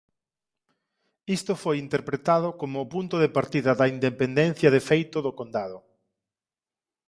Isto foi interpretado como o punto de partida da independencia de feito do condado.